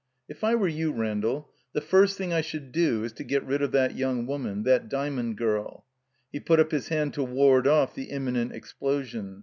"If I were you, Randall, the first thing I should do is to get rid of that young woman — ^that Dymond girl —" He put up his hand to ward off the im minent explosion.